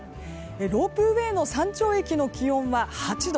ロープウェーの山頂駅の気温は８度。